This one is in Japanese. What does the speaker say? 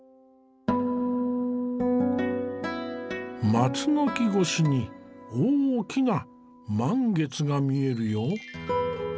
松の木越しに大きな満月が見えるよ。